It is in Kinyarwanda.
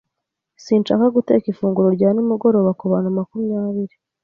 Sinshaka guteka ifunguro rya nimugoroba kubantu makumyabiri.